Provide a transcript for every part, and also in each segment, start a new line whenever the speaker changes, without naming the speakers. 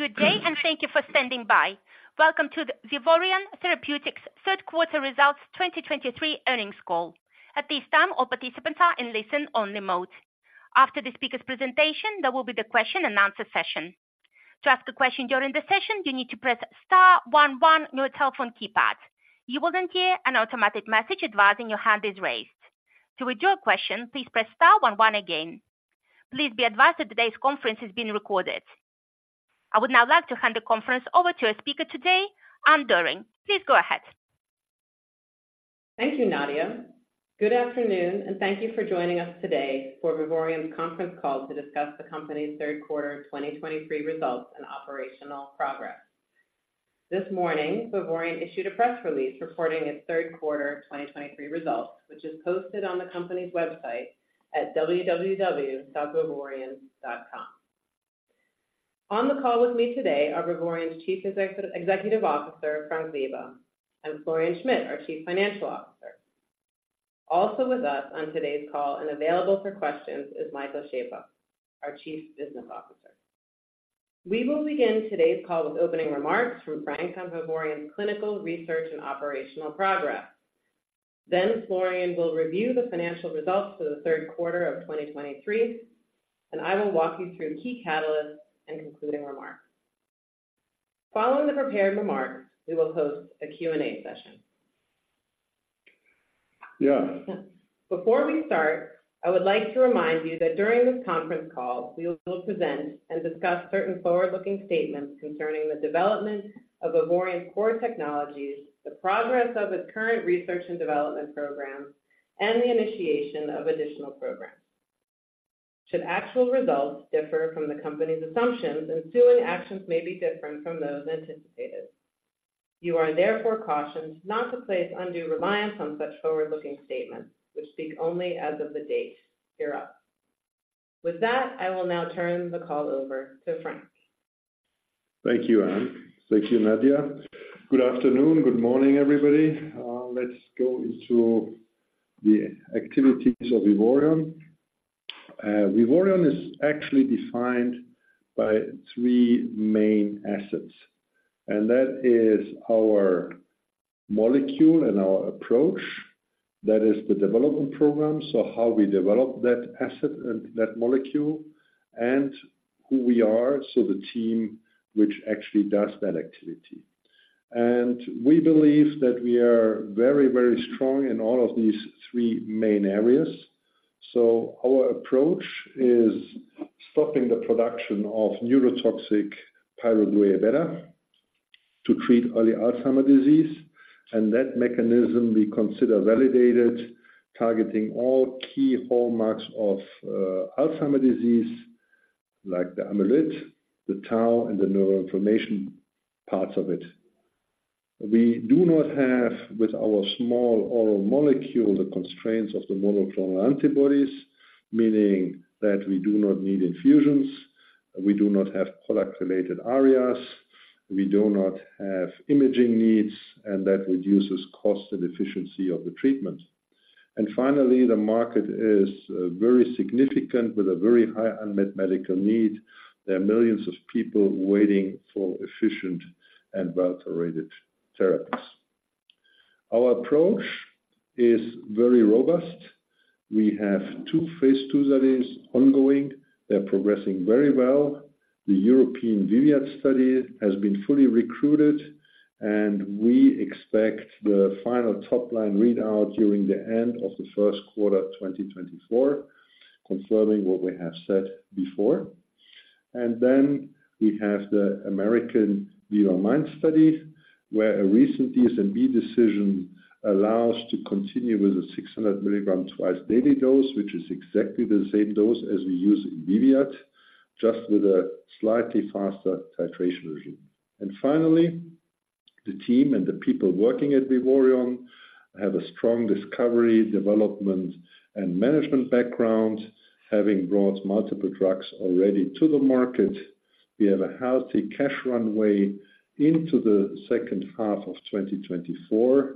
Good day, and thank you for standing by. Welcome to the Vivoryon Therapeutics third quarter results 2023 earnings call. At this time, all participants are in listen-only mode. After the speaker's presentation, there will be the question-and-answer session. To ask a question during the session, you need to press star one one on your telephone keypad. You will then hear an automatic message advising your hand is raised. To withdraw your question, please press star one one again. Please be advised that today's conference is being recorded. I would now like to hand the conference over to our speaker today, Anne Doering. Please go ahead.
Thank you, Nadia. Good afternoon, and thank you for joining us today for Vivoryon's conference call to discuss the company's third quarter 2023 results and operational progress. This morning, Vivoryon issued a press release reporting its third quarter of 2023 results, which is posted on the company's website at www. Vivoryon.com. On the call with me today are Vivoryon's Chief Executive Officer, Frank Weber, and Florian Schmid, our Chief Financial Officer. Also with us on today's call and available for questions is Michael Schaeffer, our Chief Business Officer. We will begin today's call with opening remarks from Frank on Vivoryon's clinical research and operational progress. Then Florian will review the financial results for the third quarter of 2023, and I will walk you through key catalysts and concluding remarks. Following the prepared remarks, we will host a Q&A session.
Yeah.
Before we start, I would like to remind you that during this conference call, we will present and discuss certain forward-looking statements concerning the development of Vivoryon's core technologies, the progress of its current research and development programs, and the initiation of additional programs. Should actual results differ from the company's assumptions, ensuing actions may be different from those anticipated. You are therefore cautioned not to place undue reliance on such forward-looking statements, which speak only as of the date hereof. With that, I will now turn the call over to Frank.
Thank you, Anne. Thank you, Nadia. Good afternoon, good morning, everybody. Let's go into the activities of Vivoryon. Vivoryon is actually defined by three main assets, and that is our molecule and our approach. That is the development program, so how we develop that asset and that molecule, and who we are, so the team which actually does that activity. And we believe that we are very, very strong in all of these three main areas. So our approach is stopping the production of neurotoxic pyroglutamate-beta to treat early Alzheimer's disease, and that mechanism we consider validated, targeting all key hallmarks of Alzheimer's disease, like the amyloid, the tau, and the neuroinflammation parts of it. We do not have, with our small oral molecule, the constraints of the monoclonal antibodies, meaning that we do not need infusions, we do not have product-related ARIAs, we do not have imaging needs, and that reduces cost and efficiency of the treatment. Finally, the market is very significant with a very high unmet medical need. There are millions of people waiting for efficient and well-tolerated therapies. Our approach is phase II studies ongoing. they're progressing very well. The European VIVIAD study has been fully recruited, and we expect the final top-line readout during the end of the first quarter 2024, confirming what we have said before. And then we have the American VIVA-MIND study, where a recent DSMB decision allows to continue with the 600 mg twice-daily dose, which is exactly the same dose as we use in VIVIAD, just with a slightly faster titration regimen. And finally, the team and the people working at Vivoryon have a strong discovery, development, and management background, having brought multiple drugs already to the market. We have a healthy cash runway into the second half of 2024,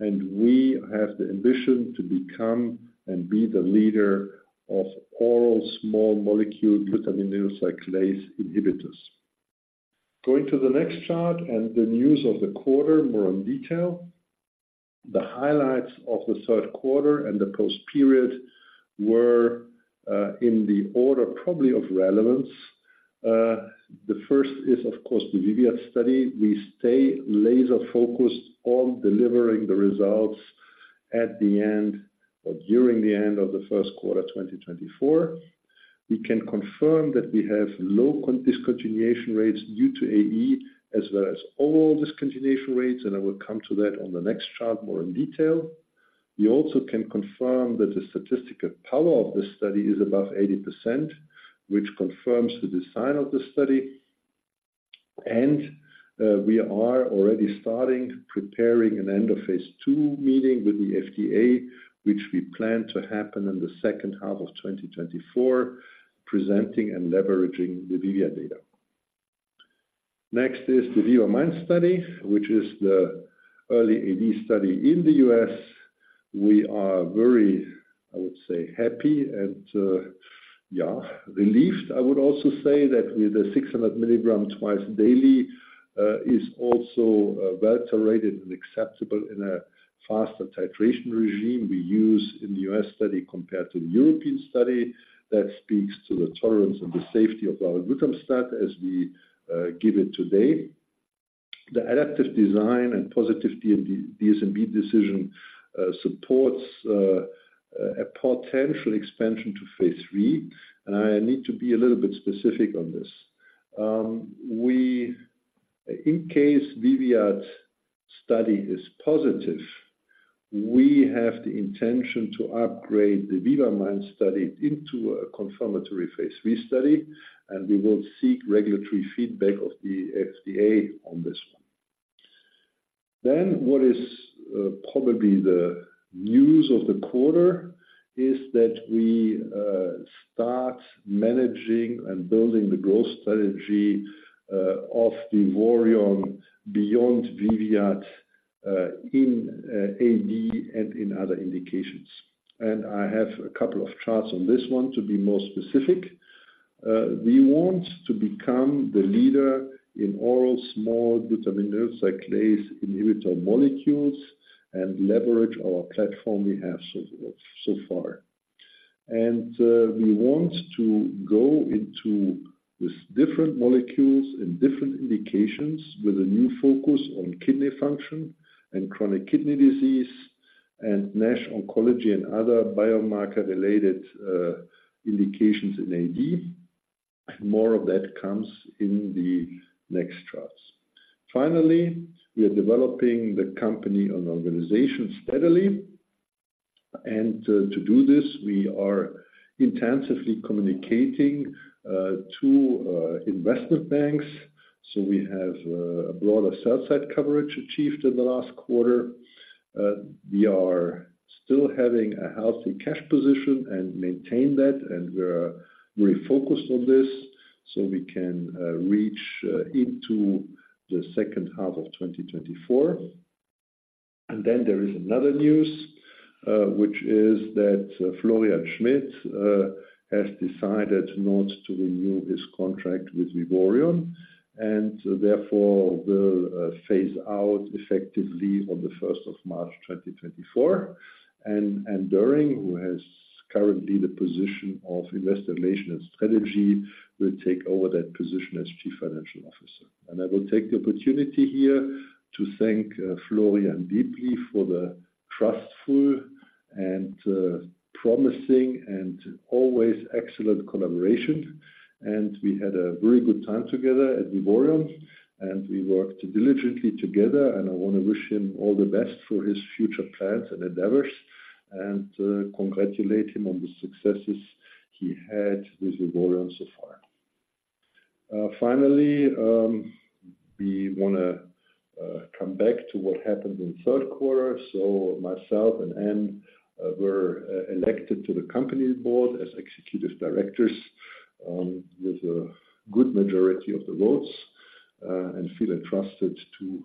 and we have the ambition to become and be the leader of oral small molecule glutaminyl cyclase inhibitors. Going to the next chart and the news of the quarter, more in detail. The highlights of the third quarter and the post period were, in the order probably of relevance. The first is, of course, the VIVIAD study. We stay laser-focused on delivering the results at the end or during the end of the first quarter 2024. We can confirm that we have low discontinuation rates due to AE, as well as overall discontinuation rates, and I will come to that on the next chart, more in detail. We also can confirm that the statistical power of this study is above 80%, which confirms the design of the study. We end-of-phase II meeting with the FDA, which we plan to happen in the second half of 2024, presenting and leveraging the VIVIAD data. Next is the VIVA-MIND study, which is the early AD study in the U.S. We are very, I would say, happy and, yeah, relieved. I would also say that with the 600 mg twice daily is also well-tolerated and acceptable in a faster titration regime we use in the U.S. study compared to the European study. That speaks to the tolerance and the safety of our glutamstat as we give it today. The adaptive design a positive DSMB decision, support potential expansion to phase III and I need to be a little bit specific on this. In case VIVIAD study is positive, we have the intention phase III study, and we will seek regulatory feedback of the FDA on this one. Then what is probably the news of the quarter is that we start managing and building the growth strategy of the Vivoryon beyond VIVIAD in AD and in other indications. I have a couple of charts on this one to be more specific. We want to become the leader in oral small-molecule glutaminyl cyclase inhibitor molecules, and leverage our platform we have so far. We want to go into with different molecules and different indications, with a new focus on kidney function and chronic kidney disease, and NASH, oncology and other biomarker-related indications in AD. More of that comes in the next charts. Finally, we are developing the company and organization steadily. To do this, we are intensively communicating to investment banks, so we have a broader sell-side coverage achieved in the last quarter. We are still having a healthy cash position and maintain that, and we are very focused on this so we can reach into the second half of 2024. Then there is another news, which is that Florian Schmid has decided not to renew his contract with Vivoryon, and therefore will phase out effectively on the March 1st, 2024. Anne Doering, who has currently the position of Investor Relations & Strategy, will take over that position as Chief Financial Officer. I will take the opportunity here to thank Florian deeply for the trustful and promising and always excellent collaboration. We had a very good time together at Vivoryon, and we worked diligently together, and I want to wish him all the best for his future plans and endeavors, and congratulate him on the successes he had with Vivoryon so far. Finally, we want to come back to what happened in third quarter. So myself and Anne were elected to the company board as executive directors with a good majority of the votes and feel entrusted to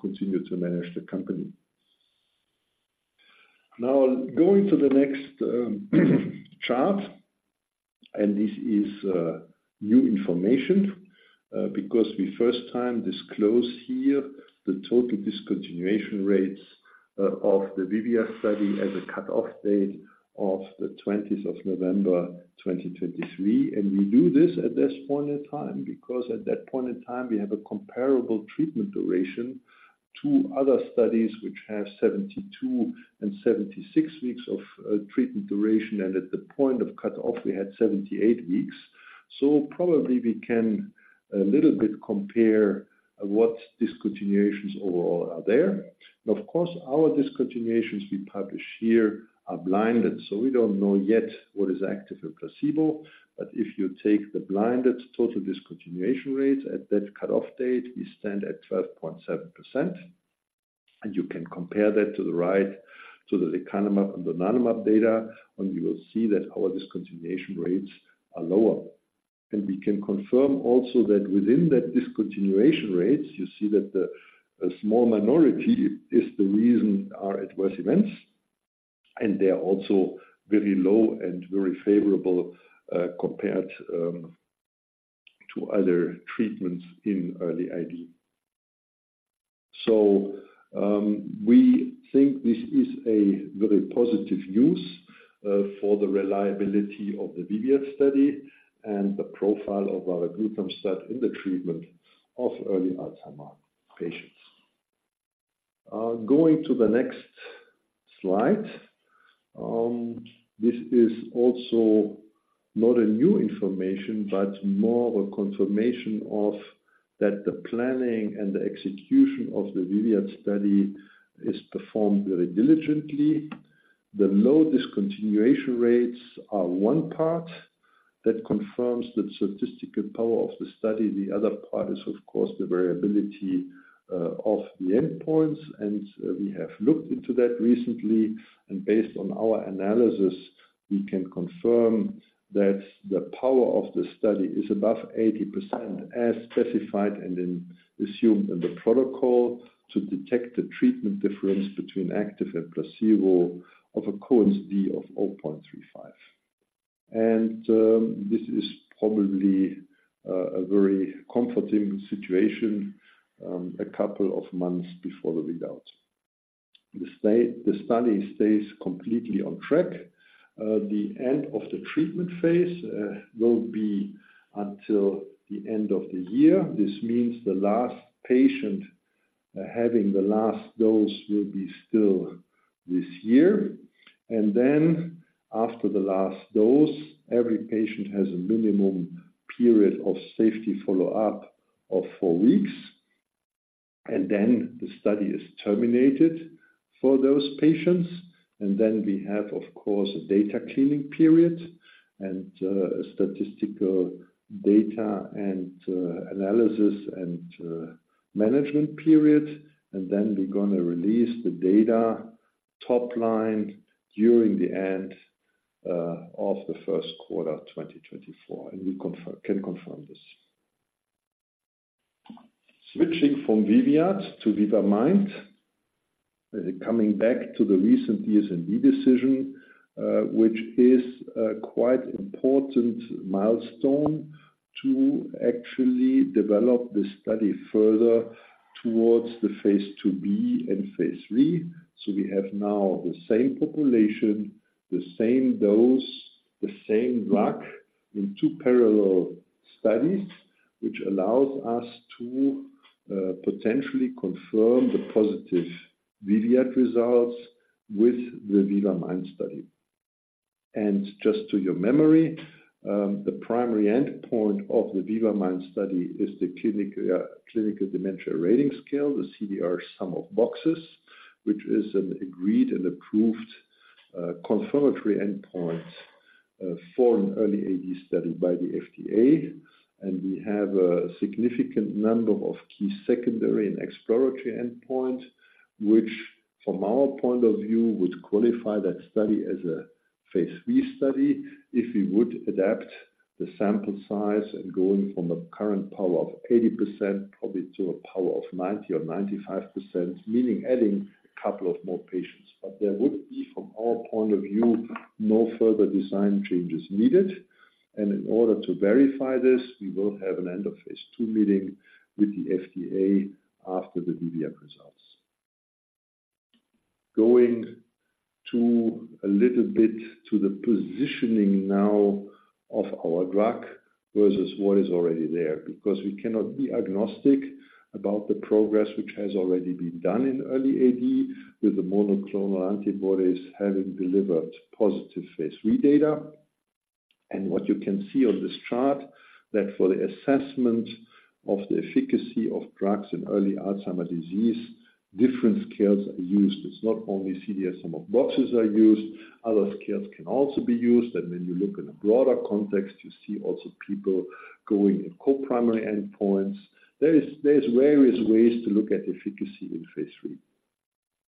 continue to manage the company. Now, going to the next chart, and this is new information because we first time disclose here the total discontinuation rates of the VIVIAD study as a cutoff date of the twentieth of November, 2023. And we do this at this point in time, because at that point in time, we have a comparable treatment duration to other studies which have 72 and 76 weeks of treatment duration, and at the point of cutoff, we had 78 weeks. So probably we can a little bit compare what discontinuations overall are there. Now, of course, our discontinuations we publish here are blinded, so we don't know yet what is active or placebo. But if you take the blinded total discontinuation rate at that cutoff date, we stand at 12.7%, and you can compare that to the right, to the lecanemab and donanemab data, and you will see that our discontinuation rates are lower. And we can confirm also that within that discontinuation rates, you see that a small minority is the reason are adverse events, and they are also very low and very favorable, compared to other treatments in early AD. So, we think this is a very positive news, for the reliability of the VIVIAD study and the profile of our varoglutamstat in the treatment of early Alzheimer's patients. Going to the next slide. This is also not a new information, but more a confirmation of that the planning and the execution of the VIVIAD study is performed very diligently. The low discontinuation rates are one part. That confirms the statistical power of the study. The other part is, of course, the variability of the endpoints, and we have looked into that recently, and based on our analysis, we can confirm that the power of the study is above 80%, as specified and then assumed in the protocol, to detect the treatment difference between active and placebo of a Cohen's d of 0.35. And this is probably a very comforting situation a couple of months before the result. The study stays completely on track. The end of the treatment phase will be until the end of the year. This means the last patient having the last dose will be still this year. And then after the last dose, every patient has a minimum period of safety follow-up of four weeks, and then the study is terminated for those patients. And then we have, of course, a data cleaning period and a statistical data and analysis and management period. And then we're gonna release the data top line during the end of the first quarter 2024, and we confirm-- can confirm this. Switching from VIVIAD to VIVA-MIND, coming back to the recent DSMB decision, which is a quite important milestone to actually develop the study further towards phase IIb and phase III. So we have now the same population, the same dose, the same drug in two parallel studies, which allows us to potentially confirm the positive VIVIAD results with the VIVA-MIND study. Just to your memory, the primary endpoint of the VIVA-MIND study is the Clinical Dementia Rating scale, the CDR-SB, which is an agreed and approved confirmatory endpoint for an early AD study by the FDA. We have a significant number of key secondary and exploratory endpoints, which, from our point phase III study, if we would adapt the sample size and going from a current power of 80%, probably to a power of 90% or 95%, meaning adding a couple of more patients. But there would be, from our point of view, no further design changes needed. And in order to verify this, we phase II meeting with the FDA after the VIVA-MIND results. Going to a little bit to the positioning now of our drug versus what is already there, because we cannot be agnostic about the progress which has already been done early AD with monoclonal antibodies having delivered positive in early phase III data. and what you can see on this chart, that for the assessment of the efficacy of drugs in early Alzheimer's disease, different scales are used. It's not only CDR-SB are used, other scales can also be used. And when you look in a broader context, you see also people going in co-primary endpoints. There is, there is various ways to look at efficacy in phase III.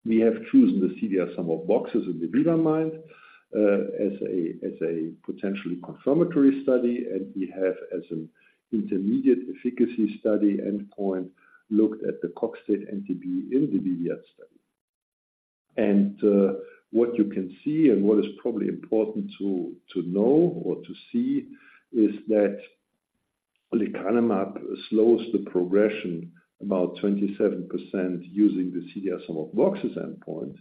We have chosen the CDR-SB in the VIVA-MIND, as a potentially confirmatory study, and we have, as an intermediate efficacy study endpoint, looked at the Cogstate NTB in the VIVIAD study. What you can see and what is probably important to know or to see is that lecanemab slows the progression about 27% using the CDR-SB endpoint,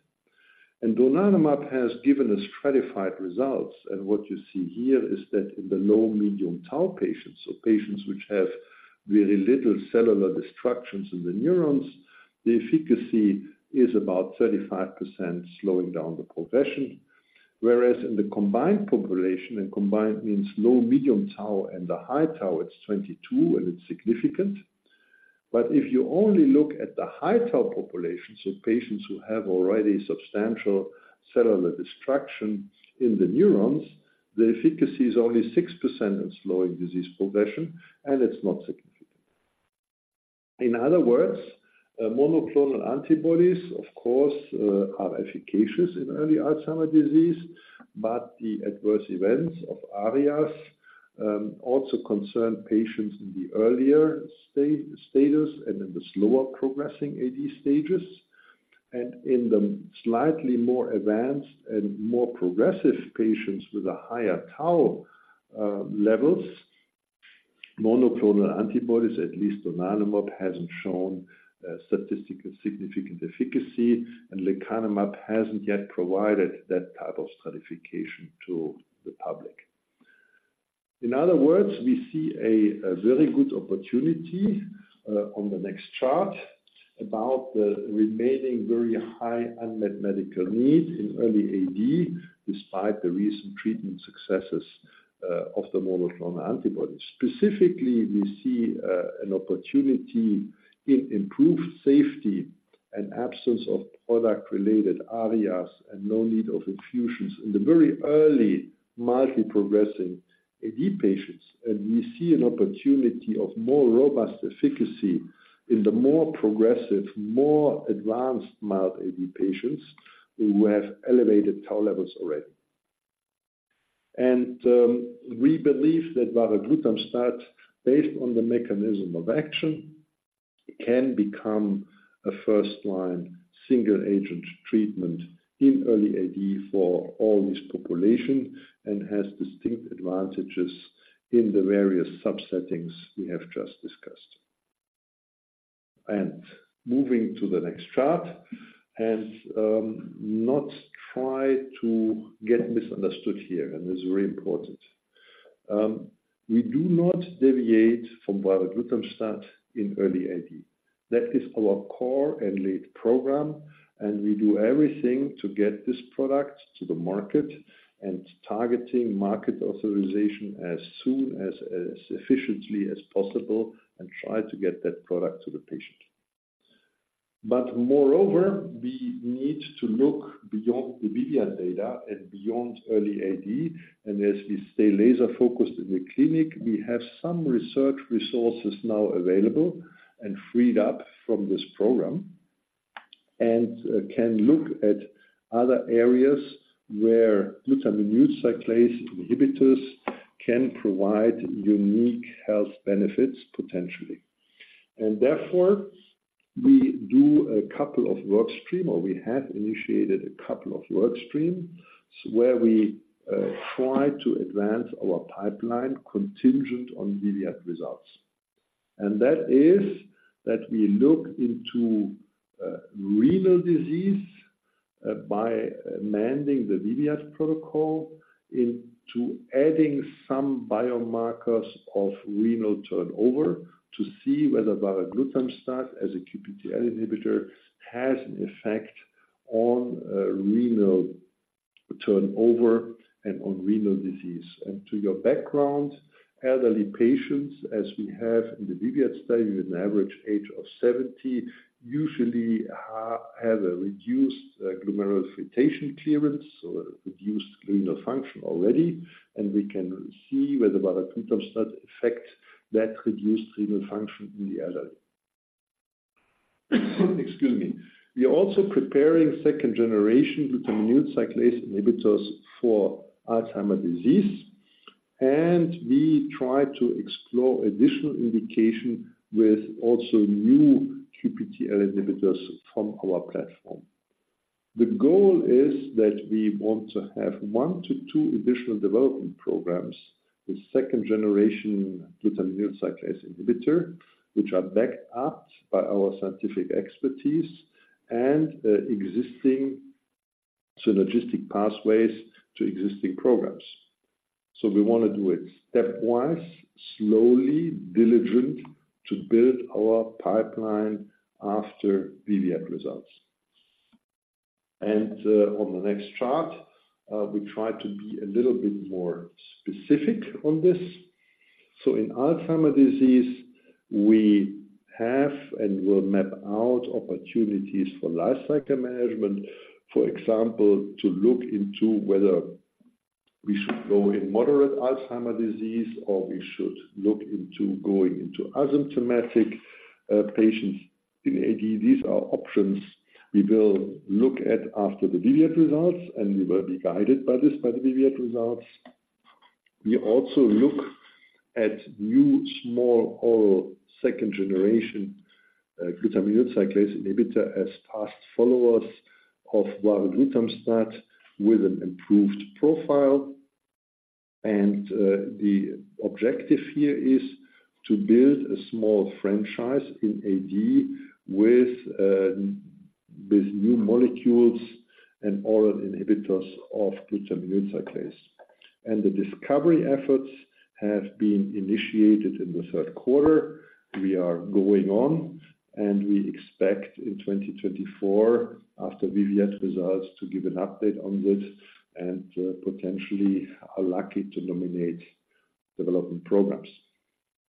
and donanemab has given us stratified results. What you see here is that in the low, medium tau patients, so patients which have very little cellular destructions in the neurons, the efficacy is about 35%, slowing down the progression. Whereas in the combined population, and combined means low, medium tau and the high tau, it's 22, and it's significant. But if you only look at the high tau population, so patients who have already substantial cellular destruction in the neurons, the efficacy is only 6% in slowing disease progression, and it's not significant. In other words, monoclonal antibodies, of course, are efficacious in early Alzheimer's disease, but the adverse events of ARIAs also concern patients in the earlier stages and in the slower progressing AD stages. And in the slightly more advanced and more progressive patients with a higher tau levels, monoclonal antibodies, at least donanemab, hasn't shown statistically significant efficacy, and lecanemab hasn't yet provided that type of stratification to the public. In other words, we see a very good opportunity on the next chart, about the remaining very high unmet medical need in early AD, despite the recent treatment successes of the monoclonal antibodies. Specifically, we see an opportunity in improved safety and absence of product-related ARIAs and no need of infusions in the very early mildly progressing AD patients. And we see an opportunity of more robust efficacy in the more progressive, more advanced mild AD patients, who have elevated tau levels already. And we believe that varoglutamstat, based on the mechanism of action, can become a first line single agent treatment in early AD for all this population, and has distinct advantages in the various sub settings we have just discussed. And moving to the next chart, and not try to get misunderstood here, and this is very important. We do not deviate from varoglutamstat in early AD. That is our core and lead program, and we do everything to get this product to the market and targeting market authorization as soon as, as efficiently as possible, and try to get that product to the patient. But moreover, we need to look beyond the VIVIAD data and beyond early AD, and as we stay laser focused in the clinic, we have some research resources now available and freed up from this program, and can look at other areas where glutaminyl cyclase inhibitors can provide unique health benefits, potentially. And therefore, we do a couple of work stream, or we have initiated a couple of work streams, where we try to advance our pipeline contingent on VIVIAD results. And that is that we look into renal disease by amending the VIVIAD protocol into adding some biomarkers of renal turnover to see whether varoglutamstat, as a QPCTL inhibitor, has an effect on renal turnover and on renal disease. And to your background, elderly patients, as we have in the VIVIAD study, with an average age of 70, usually have a reduced glomerular filtration clearance, so a reduced renal function already, and we can see whether varoglutamstat affects that reduced renal function in the elderly. Excuse me. We are also preparing second generation glutaminyl cyclase inhibitors for Alzheimer's disease, and we try to explore additional indication with also new QPCTL inhibitors from our platform. The goal is that we want to have one to two additional development programs with second generation glutaminyl cyclase inhibitor, which are backed up by our scientific expertise and, existing synergistic pathways to existing programs. So we want to do it stepwise, slowly, diligent, to build our pipeline after VIVIAD results. And, on the next chart, we try to be a little bit more specific on this. So in Alzheimer's disease, we have and will map out opportunities for life cycle management. For example, to look into whether we should go in moderate Alzheimer's disease, or we should look into going into asymptomatic, patients in AD. These are options we will look at after the VIVIAD results, and we will be guided by this, by the VIVIAD results. We also look at new, small, oral, second generation, glutaminyl cyclase inhibitor as fast followers of varoglutamstat, with an improved profile. The objective here is to build a small franchise in AD with new molecules and oral inhibitors of glutaminyl cyclase. The discovery efforts have been initiated in the third quarter. We are going on, and we expect in 2024, after VIVIAD results, to give an update on this and potentially are lucky to nominate development programs.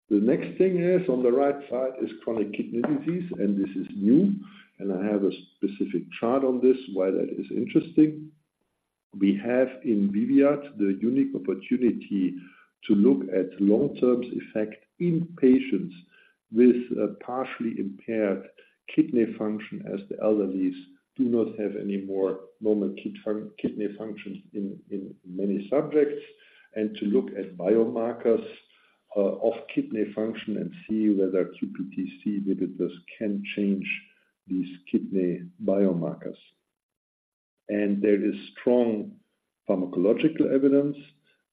The next thing is, on the right side, is chronic kidney disease, and this is new, and I have a specific chart on this, why that is interesting. We have in VIVIAD the unique opportunity to look at long-term effect in patients with partially impaired kidney function, as the elderlies do not have any more normal kidney functions in many subjects. To look at biomarkers of kidney function and see whether QPCT inhibitors can change these kidney biomarkers. There is strong pharmacological evidence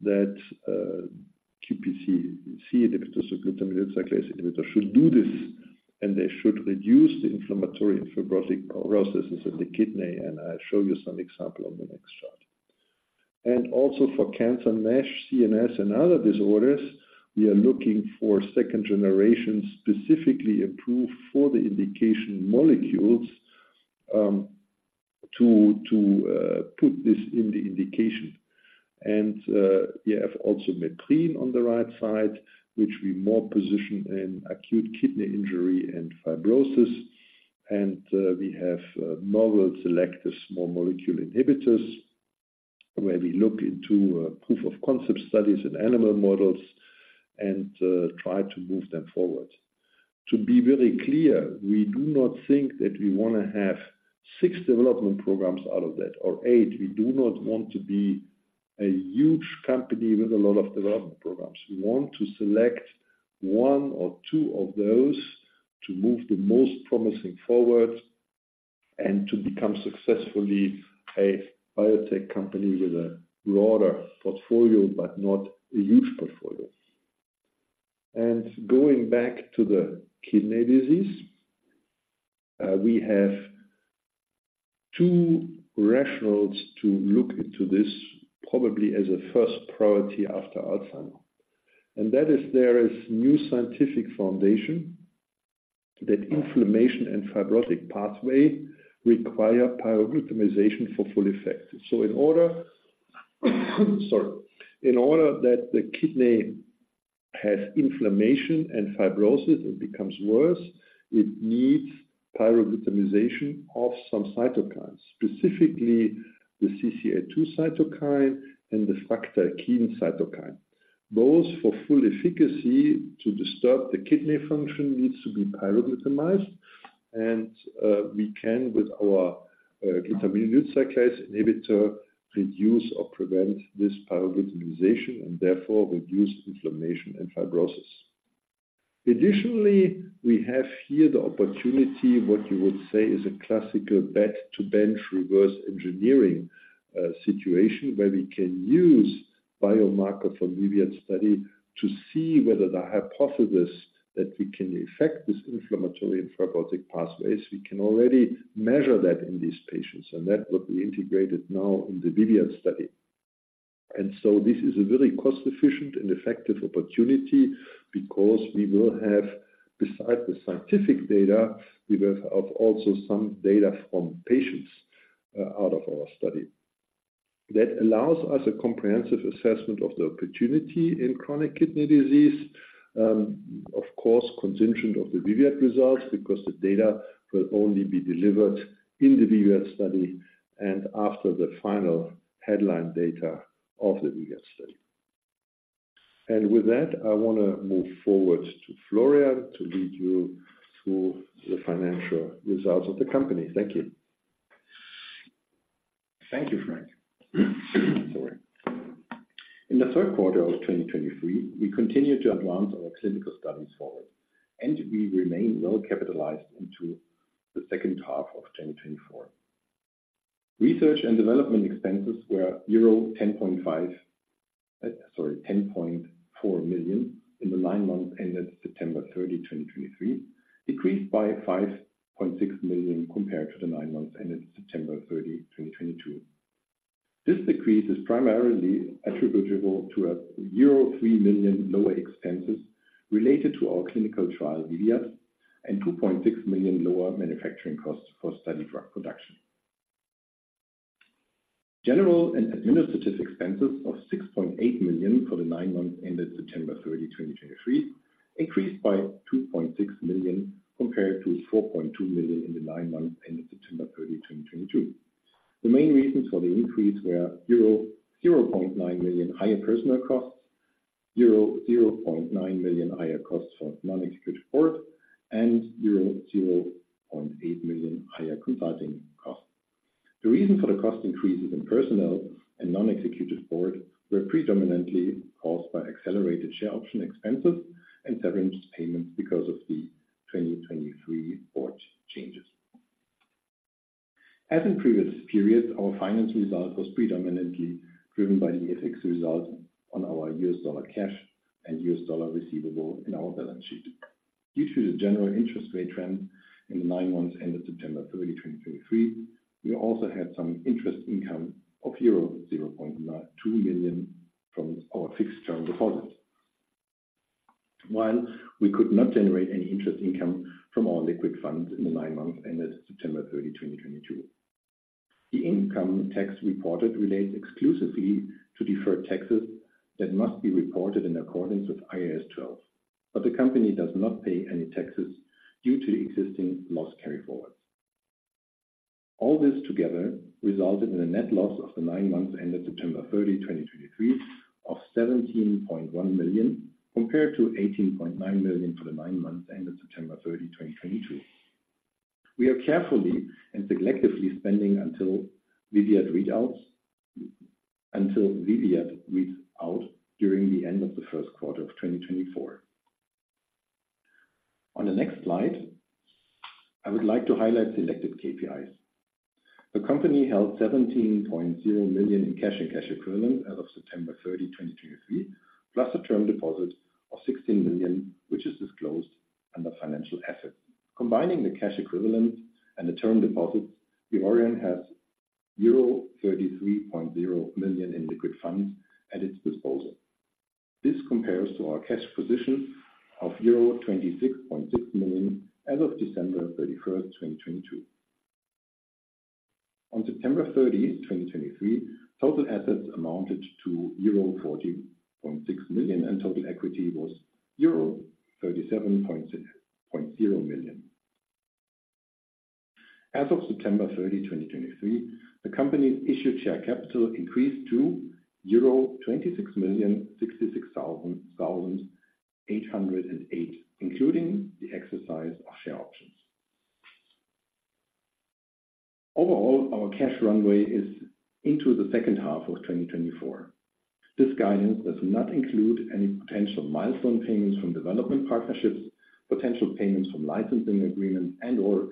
that QPCT inhibitors or glutaminyl cyclase inhibitor should do this, and they should reduce the inflammatory and fibrotic processes of the kidney, and I'll show you some example on the next chart. Also for cancer, NASH, CNS, and other disorders, we are looking for second generation, specifically approved for the indication molecules to put this in the indication. We have also meprin on the right side, which we more position in acute kidney injury and fibrosis. We have novel selective small molecule inhibitors, where we look into proof of concept studies and animal models and try to move them forward. To be very clear, we do not think that we want to have six development programs out of that or eight. We do not want to be a huge company with a lot of development programs. We want to select one or two of those to move the most promising forward and to become successfully a biotech company with a broader portfolio, but not a huge portfolio. And going back to the kidney disease, we have two rationales to look into this, probably as a first priority after Alzheimer's. And that is, there is new scientific foundation that inflammation and fibrotic pathway require pyroglutamization for full effect. In order that the kidney has inflammation and fibrosis, it becomes worse, it needs pyroglutamization of some cytokines, specifically the CCL2 cytokine and the fractalkine cytokine. Both for full efficacy to disturb the kidney function needs to be pyroglutamized, and we can with our glutaminyl cyclase inhibitor reduce or prevent this pyroglutamization and therefore reduce inflammation and fibrosis. Additionally, we have here the opportunity, what you would say, is a classical bed-to-bench reverse engineering situation, where we can use biomarker from VIVIAD study to see whether the hypothesis that we can affect this inflammatory and fibrotic pathways. We can already measure that in these patients, and that will be integrated now in the VIVIAD study. So this is a very cost-efficient and effective opportunity because we will have, besides the scientific data, we will have also some data from patients out of our study. That allows us a comprehensive assessment of the opportunity in chronic kidney disease. Of course, contingent on the VIVIAD results, because the data will only be delivered in the VIVIAD study and after the final headline data of the VIVIAD study. And with that, I want to move forward to Florian to lead you through the financial results of the company. Thank you.
Thank you, Frank. Sorry. In the third quarter of 2023, we continued to advance our clinical studies forward, and we remain well capitalized into the second half of 2024. Research and development expenses were 10.4 million euro in the nine months ended September 30, 2023. Decreased by 5.6 million compared to the nine months ended September 30, 2022. This decrease is primarily attributable to euro 3 million lower expenses related to our clinical trial, VIVIAD, and 2.6 million lower manufacturing costs for study drug production. General and administrative expenses of 6.8 million for the nine months ended September 30, 2023, increased by 2.6 million, compared to 4.2 million in the nine months ended September 30, 2022. The main reasons for the increase were euro 0.9 million higher personnel costs, euro 0.9 million higher costs for non-executive board, and euro 0.8 million higher consulting costs. The reason for the cost increases in personnel and non-executive board were predominantly caused by accelerated share option expenses and severance payments because of the 2023 board changes. As in previous periods, our finance result was predominantly driven by the FX result on our U.S. dollar cash and U.S. dollar receivable in our balance sheet. Due to the general interest rate trend in the nine months ended September 30, 2023, we also had some interest income of euro 0.2 million from our fixed term deposits. While we could not generate any interest income from our liquid funds in the nine months ended September 30, 2022. The income tax reported relates exclusively to deferred taxes that must be reported in accordance with IAS 12, but the company does not pay any taxes due to existing loss carryforwards. All this together resulted in a net loss of the nine months ended September 30, 2023, of 17.1 million, compared to 18.9 million for the nine months ended September 30, 2022. We are carefully and selectively spending until VIVIAD readouts, until VIVIAD reads out during the end of the first quarter of 2024. On the next slide, I would like to highlight selected KPIs. The company held 17.0 million in cash and cash equivalents as of September 30, 2023, plus a term deposit of 16 million, which is disclosed under financial assets. Combining the cash equivalents and the term deposits, Vivoryon has euro 33.0 million in liquid funds at its disposal. This compares to our cash position of euro 26.6 million as of December 31, 2022. On September 30, 2023, total assets amounted to euro 40.6 million, and total equity was euro 37.60 million. As of September 30, 2023, the company's issued share capital increased to euro 26,066,008, including the exercise of share options. Overall, our cash runway is into the second half of 2024. This guidance does not include any potential milestone payments from development partnerships, potential payments from licensing agreements, and/or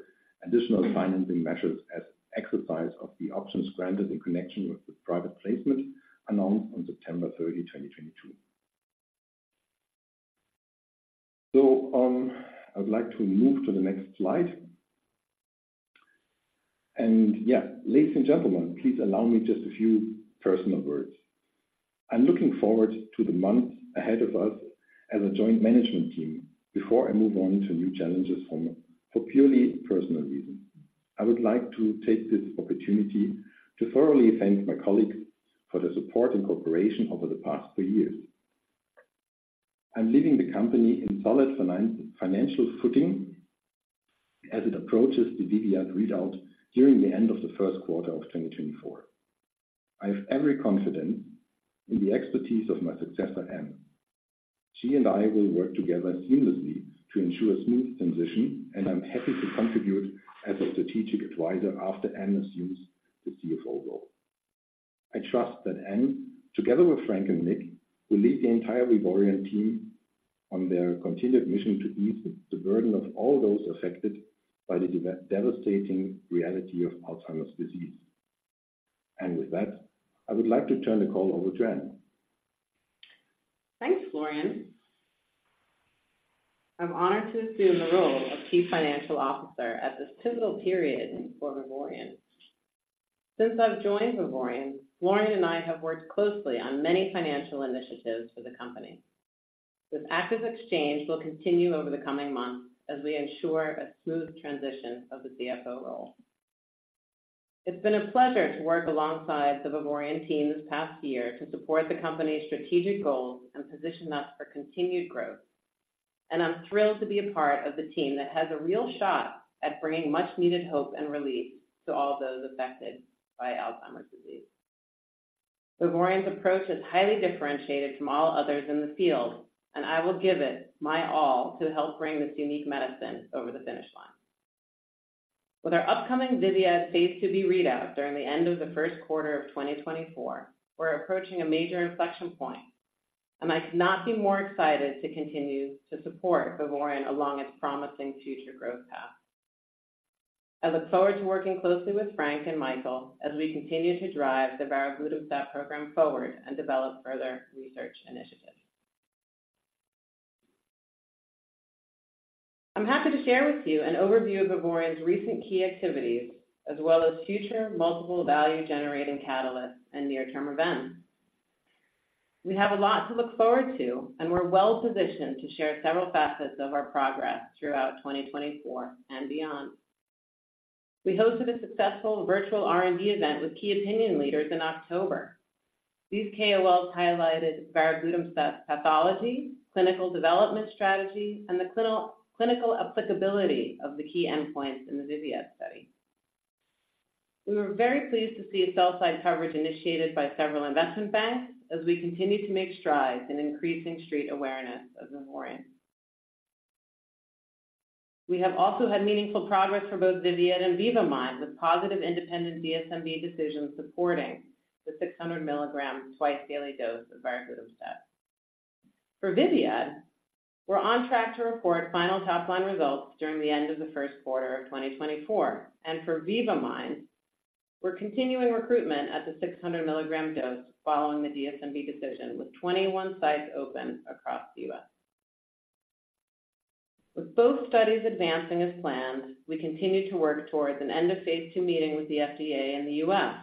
additional financing measures as exercise of the options granted in connection with the private placement announced on September 30, 2022. I'd like to move to the next slide. Yeah, ladies and gentlemen, please allow me just a few personal words. I'm looking forward to the months ahead of us as a joint management team before I move on to new challenges for purely personal reasons. I would like to take this opportunity to thoroughly thank my colleagues for their support and cooperation over the past three years. I'm leaving the company in solid financial footing as it approaches the VIVIAD readout during the end of the first quarter of 2024. I have every confidence in the expertise of my successor, Anne. She and I will work together seamlessly to ensure a smooth transition, and I'm happy to contribute as a strategic advisor after Anne assumes the CFO role. I trust that Anne, together with Frank and Nick, will lead the entire Vivoryon team on their continued mission to ease the burden of all those affected by the devastating reality of Alzheimer's disease. With that, I would like to turn the call over to Anne.
Thanks, Florian. I'm honored to assume the role of Chief Financial Officer at this pivotal period for Vivoryon. Since I've joined Vivoryon, Florian and I have worked closely on many financial initiatives for the company. This active exchange will continue over the coming months as we ensure a smooth transition of the CFO role. It's been a pleasure to work alongside the Vivoryon team this past year to support the company's strategic goals and position us for continued growth. And I'm thrilled to be a part of the team that has a real shot at bringing much-needed hope and relief to all those affected by Alzheimer's disease. Vivoryon's approach is highly differentiated from all others in the field, and I will give it my all to help bring this unique medicine over the finish line. phase IIb readout during the end of the first quarter of 2024, we're approaching a major inflection point, and I could not be more excited to continue to support Vivoryon along its promising future growth path. I look forward to working closely with Frank and Michael as we continue to drive the varoglutamstat program forward and develop further research initiatives. I'm happy to share with you an overview of Vivoryon's recent key activities, as well as future multiple value-generating catalysts and near-term events. We have a lot to look forward to, and we're well-positioned to share several facets of our progress throughout 2024 and beyond. We hosted a successful virtual R&D event with key opinion leaders in October. These KOLs highlighted varoglutamstat pathology, clinical development strategy, and the clinical applicability of the key endpoints in the VIVIAD study. We were very pleased to see sell-side coverage initiated by several investment banks, as we continue to make strides in increasing street awareness of Vivoryon. We have also had meaningful progress for both VIVIAD and VIVA-MIND, with positive independent DSMB decisions supporting the 600 mg twice-daily dose of varoglutamstat. For VIVIAD, we're on track to report final top-line results during the end of the first quarter of 2024, and for VIVA-MIND, we're continuing recruitment at the 600 mg dose following the DSMB decision, with 21 sites open across the U.S. With both studies advancing as planned, we end-of-phase II meeting with the FDA in the U.S.,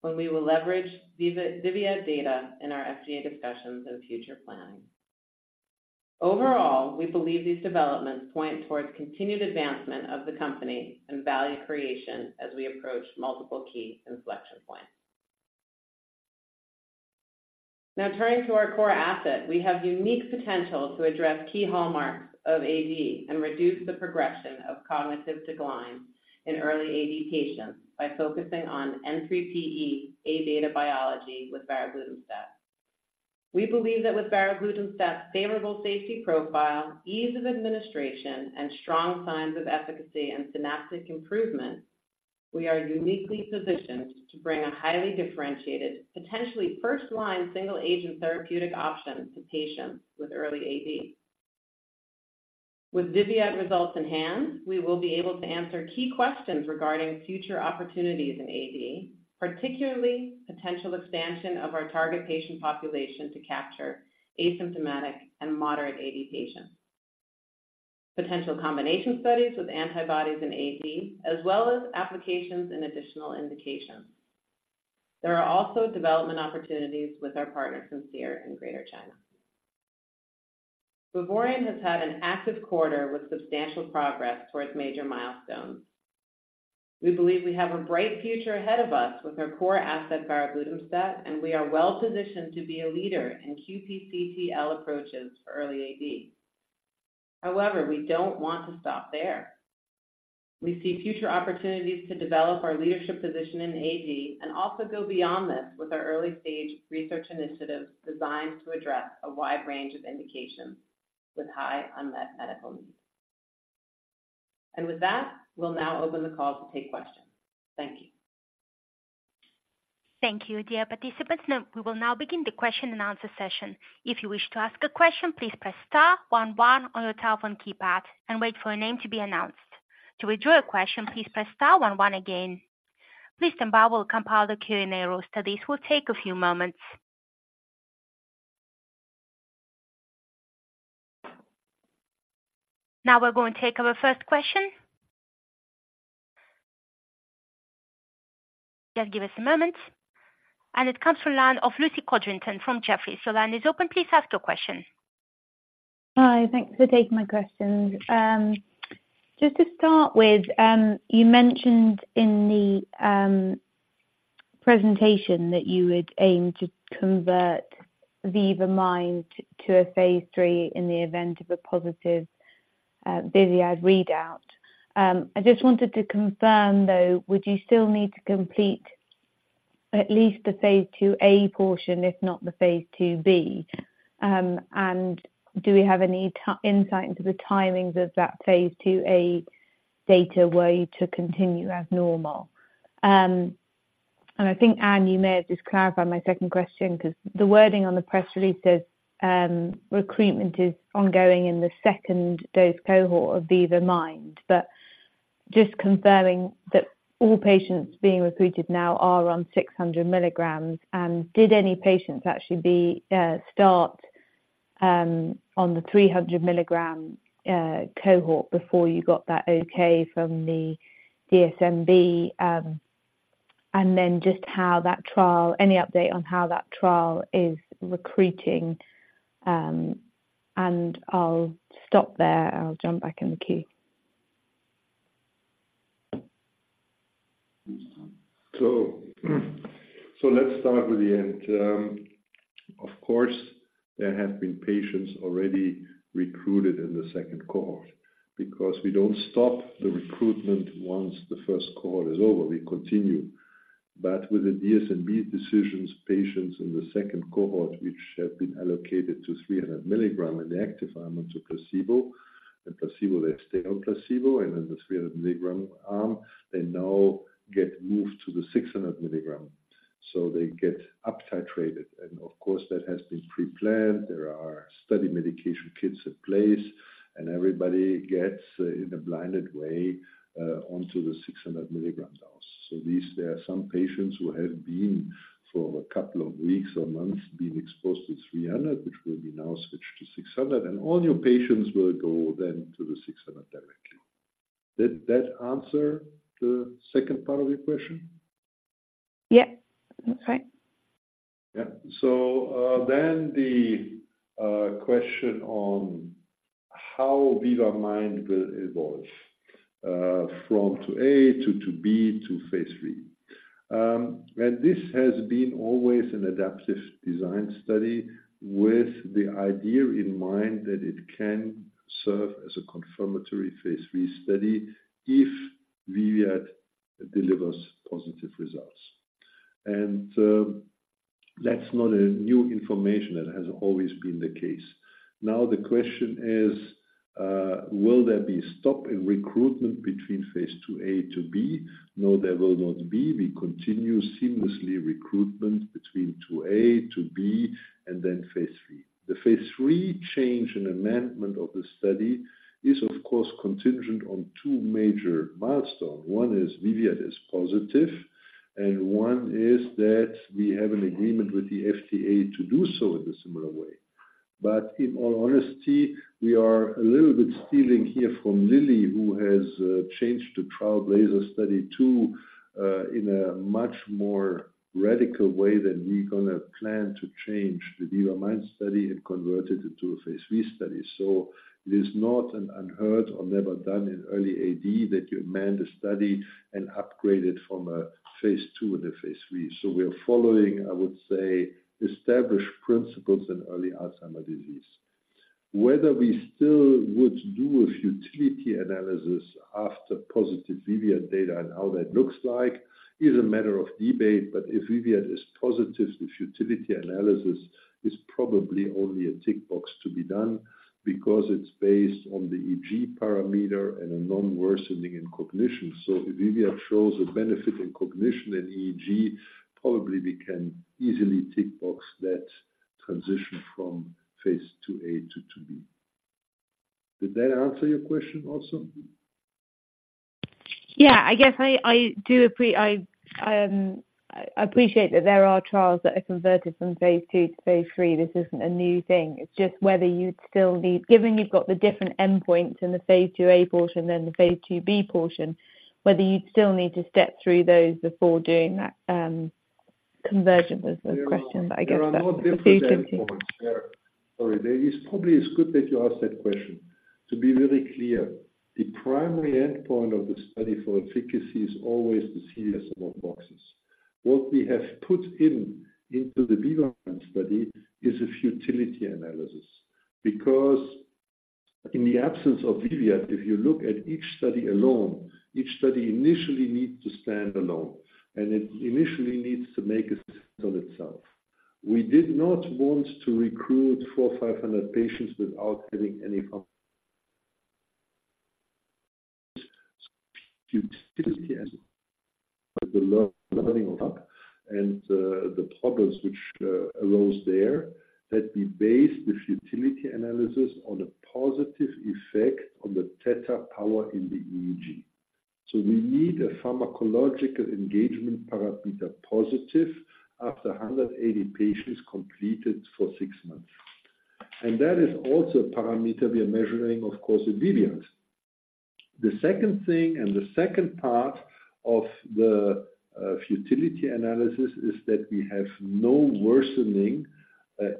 when we will leverage VIVA-MIND, VIVIAD data in our FDA discussions and future planning. Overall, we believe these developments point towards continued advancement of the company and value creation as we approach multiple key inflection points. Now, turning to our core asset, we have unique potential to address key hallmarks of AD and reduce the progression of cognitive decline in early AD patients by focusing on N3pE-Abeta biology with varoglutamstat. We believe that with varoglutamstat's favorable safety profile, ease of administration, and strong signs of efficacy and synaptic improvement, we are uniquely positioned to bring a highly differentiated, potentially first-line single-agent therapeutic option to patients with early AD. With VIVIAD results in hand, we will be able to answer key questions regarding future opportunities in AD, particularly potential expansion of our target patient population to capture asymptomatic and moderate AD patients... potential combination studies with antibodies and AD, as well as applications and additional indications. There are also development opportunities with our partner, Simcere, in Greater China. Vivoryon has had an active quarter with substantial progress towards major milestones. We believe we have a bright future ahead of us with our core asset, varoglutamstat, and we are well positioned to be a leader in QPCTL approaches for early AD. However, we don't want to stop there. We see future opportunities to develop our leadership position in AD and also go beyond this with our early-stage research initiatives designed to address a wide range of indications with high unmet medical needs. With that, we'll now open the call to take questions. Thank you.
Thank you, dear participants. Now, we will now begin the question-and-answer session. If you wish to ask a question, please press star one one on your telephone keypad and wait for your name to be announced. To withdraw your question, please press star one one again. Please stand by, we'll compile the Q&A roster. This will take a few moments. Now we're going to take our first question. Just give us a moment. And it comes from line of Lucy Codrington from Jefferies. So line is open, please ask your question.
Hi, thanks for taking my questions. Just to start with, you mentioned in the presentation that you had aimed to convert VIVA-MIND to a phase III in the event of a positive VIVIAD readout. I just wanted to confirm, though, would you still need phase IIb? and do we have any insight phase IIa data, were you to continue as normal? And I think, Anne, you may just clarify my second question, because the wording on the press release says, "Recruitment is ongoing in the second dose cohort of VIVA-MIND." But just confirming that all patients being recruited now are on 600 mg. Did any patients actually start on the 300 mg cohort before you got that okay from the DSMB? And then, just how that trial - any update on how that trial is recruiting? And I'll stop there. I'll jump back in the queue.
So, so let's start with the end. Of course, there have been patients already recruited in the second cohort because we don't stop the recruitment once the first cohort is over, we continue. But with the DSMB decisions, patients in the second cohort, which have been allocated to 300 mg in the active arm, into placebo, in placebo, they stay on placebo, and in the 300 mg arm, they now get moved to the 600 mg, so they get uptitrated. And of course, that has been preplanned. There are study medication kits in place, and everybody gets, in a blinded way, onto the 600 mg dose. There are some patients who have been for a couple of weeks or months being exposed to 300, which will now be switched to 600, and all new patients will go then to the 600 directly. Did that answer the second part of your question?
Yeah, that's right.
Yeah. So, then the question on how VIVA-MIND will evolve from IIa to IIb to phase III. and this has been always an adaptive design study with the idea in phase III study if VIVIAD delivers positive results. and that's not a new information. That has always been the case. Now, the question is, will there phase IIa to IIb? no, there will not be. We continue seamlessly recruitment between IIa, IIb and then phase III. The phase III change and amendment of the study is, of course, contingent on two major milestones. One is VIVIAD is positive, and one is that we have an agreement with the FDA to do so in a similar way. But in all honesty, we are a little bit stealing here from Lilly, who has changed the TRAILBLAZER-ALZ 2 in a much more radical way than we're going to plan to change phase III study. so it is not an unheard or never done in early AD that you amend phase III. so we are following, I would say, established principles in early Alzheimer's disease. Whether we still would do a futility analysis after positive VIVIAD data and how that looks like is a matter of debate. But if VIVIAD is positive, the futility analysis is probably only a tick box to be done because it's based on the EEG parameter and a non-worsening in cognition. So if VIVIAD shows a benefit in cognition and EEG, probably we can easily phase IIa to IIb. did that answer your question also?...
Yeah, I guess I appreciate that phase III. this isn't a new thing. it's just whether you'd still need, given you've got phase IIb portion, whether you'd still need to step through those before doing that conversion of those questions, I guess, that's the
There are no different endpoints. Yeah. Sorry. It is probably good that you asked that question. To be really clear, the primary endpoint of the study for efficacy is always the CDR-SB. What we have put into the VIVA-MIND study is a futility analysis, because in the absence of VIVIAD, if you look at each study alone, each study initially needs to stand alone, and it initially needs to make a decision on itself. We did not want to recruit 400 or 500 patients without having any from Futility as- The learnings up and the problems which arose there, that we base the futility analysis on a positive effect on the theta power in the EEG. So we need a pharmacological engagement parameter positive after 180 patients completed for six months. And that is also a parameter we are measuring, of course, in VIVIAD. The second thing and the second part of the futility analysis is that we have no worsening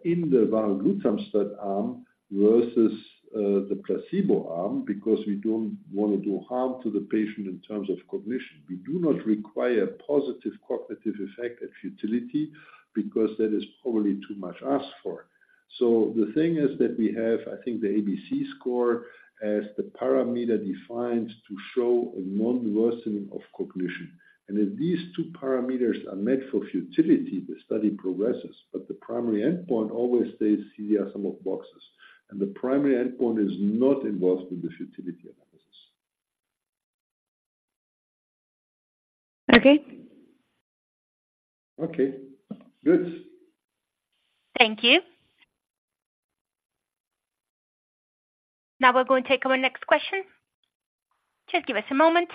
in the varoglutamstat arm versus the placebo arm, because we don't want to do harm to the patient in terms of cognition. We do not require positive cognitive effect at futility because that is probably too much asked for. So the thing is that we have, I think, the ABC score as the parameter defined to show a non-worsening of cognition. If these two parameters are met for futility, the study progresses, but the primary endpoint always stays CDR-SB, and the primary endpoint is not involved with the futility analysis.
Okay.
Okay, good.
Thank you. Now we're going to take our next question. Just give us a moment.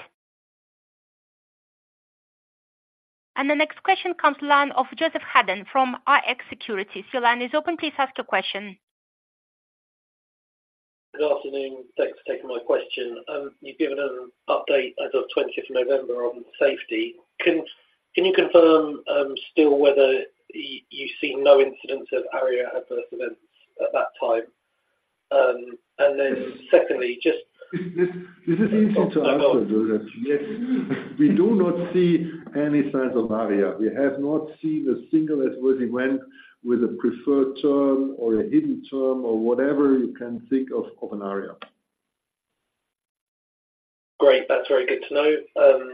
The next question comes from the line of Joseph Hedden from Rx Securities. Your line is open. Please ask your question.
Good afternoon. Thanks for taking my question. You've given an update as of November 20 on safety. Can you confirm still whether you've seen no incidents of ARIA adverse events at that time? And then secondly, just-
This is easy to answer, Joseph. Yes. We do not see any signs of ARIA. We have not seen a single adverse event with a preferred term or a hidden term or whatever you can think of, of an ARIA.
Great. That's very good to know.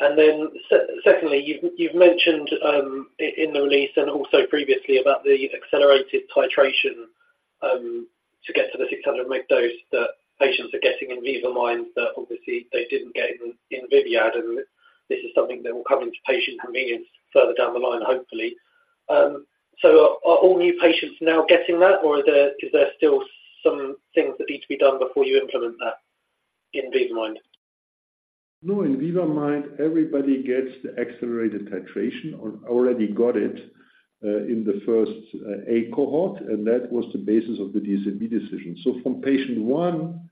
And then secondly, you've mentioned in the release and also previously about the accelerated titration to get to the 600 mg dose that patients are getting in VIVA-MIND, that obviously they didn't get in VIVIAD, and this is something that will come into patient convenience further down the line, hopefully. So are all new patients now getting that, or is there still some things that need to be done before you implement that in VIVA-MIND?
No, in VIVA-MIND, everybody gets the accelerated titration or already got it in the first A cohort, and that was the basis of the DSMB decision. So from patient one,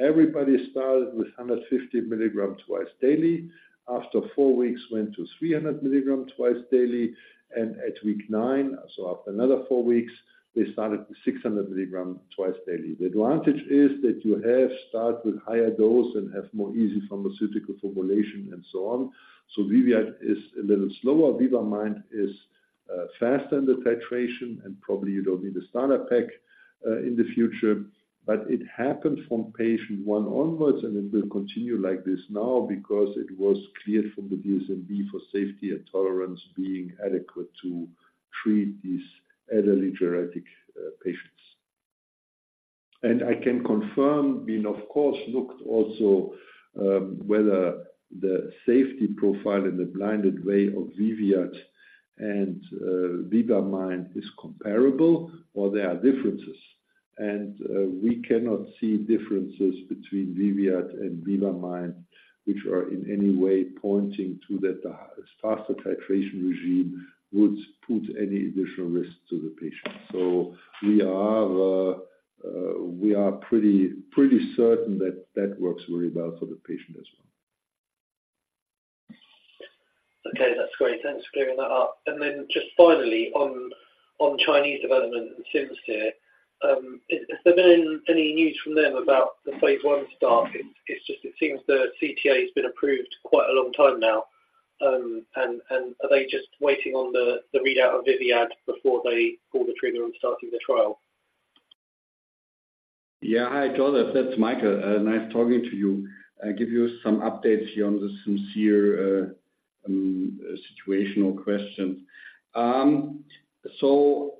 everybody started with 150 mg twice daily. After four weeks, went to 300 mg twice daily, and at week nine, so after another four weeks, they started the 600 mg twice daily. The advantage is that you have start with higher dose and have more easy pharmaceutical formulation and so on. So VIVIAD is a little slower. VIVA-MIND is faster in the titration, and probably you don't need a starter pack in the future, but it happened from patient one onwards, and it will continue like this now because it was cleared from the DSMB for safety and tolerance being adequate to treat these elderly geriatric patients. I can confirm, we of course looked also whether the safety profile in the blinded way of VIVIAD and VIVA-MIND is comparable or there are differences. We cannot see differences between VIVIAD and VIVA-MIND, which are in any way pointing to that the faster titration regime would put any additional risk to the patient. So we are pretty, pretty certain that that works very well for the patient as well.
Okay, that's great. Thanks for clearing that up. And then just finally, on Chinese development and Simcere, has there been any news from them phase I start? it's just it seems the CTA has been approved quite a long time now. And are they just waiting on the readout of VIVIAD before they pull the trigger on starting the trial?
Yeah. Hi, Joseph. That's Michael. Nice talking to you. I give you some updates here on the Simcere situational question. So,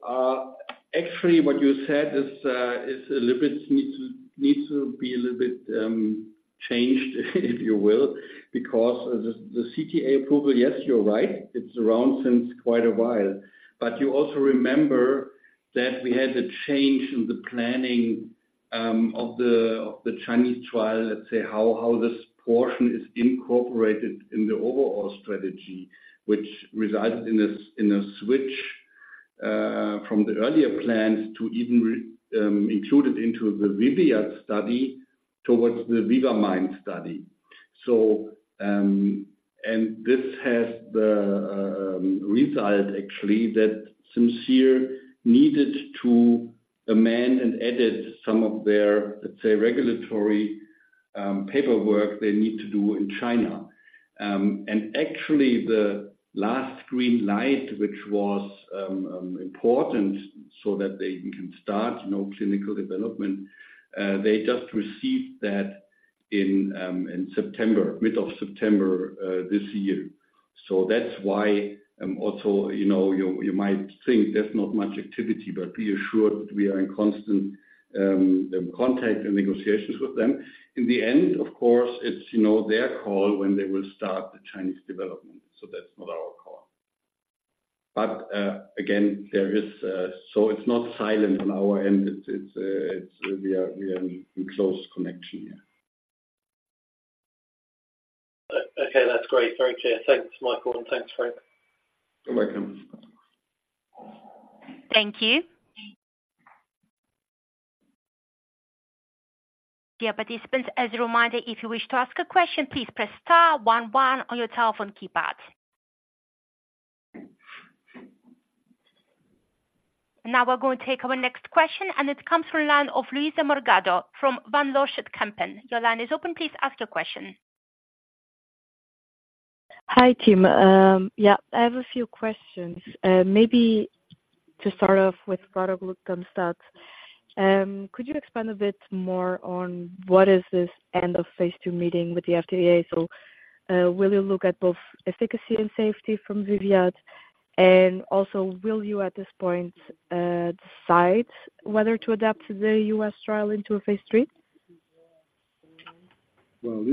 actually, what you said is a little bit needs to be a little bit changed, if you will, because the CTA approval, yes, you're right, it's around since quite a while. But you also remember that we had a change in the planning of the Chinese trial, let's say, how this portion is incorporated in the overall strategy, which resides in a switch from the earlier plans to even reinclude it into the VIVIAD study towards the VIVA-MIND study. So, and this has the result actually that Simcere needed to amend and edit some of their, let's say, regulatory paperwork they need to do in China. And actually, the last green light, which was important, so that they can start, you know, clinical development, they just received that in September, mid-September, this year. So that's why, also, you know, you might think there's not much activity, but be assured that we are in constant contact and negotiations with them. In the end, of course, it's, you know, their call when they will start the Chinese development, so that's not our call. But again, there is so it's not silent on our end. It's we are in close connection, yeah.
Okay, that's great. Very clear. Thanks, Michael, and thanks, Frank.
You're welcome.
Thank you. Dear participants, as a reminder, if you wish to ask a question, please press star one, one on your telephone keypad. Now we're going to take our next question, and it comes from the line of Luísa Morgado from Van Lanschot Kempen. Your line is open, please ask your question.
Hi, team. Yeah, I have a few questions. Maybe to start off with varoglutamstat. Could you expand a bit more on phase II meeting with the FDA? so, will you look at both efficacy and safety from VIVIAD? And also, will you, at this point, decide whether to adapt the us trial into a phase III?
Well,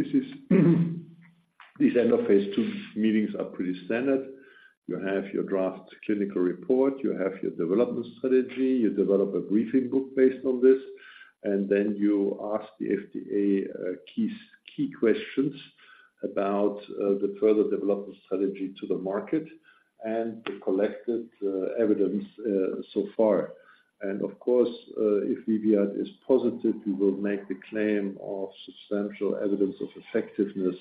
phase II meetings are pretty standard. you have your draft clinical report, you have your development strategy, you develop a briefing book based on this, and then you ask the FDA key, key questions about the further development strategy to the market and the collected evidence so far. And of course, if VIVIAD is positive, we will make the claim of substantial evidence of effectiveness